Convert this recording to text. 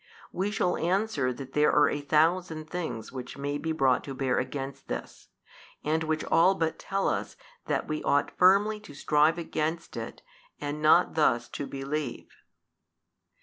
we shall answer that there are a thousand things which may be brought to bear against this, and which all but tell us that we ought firmly to strive against it and not thus to believe.